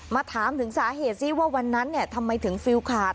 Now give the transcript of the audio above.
มาถามถึงสาเหตุซิว่าวันนั้นเนี่ยทำไมถึงฟิลคาร์ด